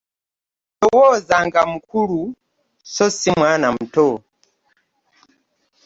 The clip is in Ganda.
Lowooza nga mukulu so si mwana muto.